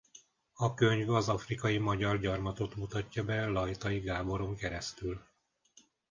A könyv az afrikai magyar gyarmatot mutatja be Lajtai Gáboron keresztül.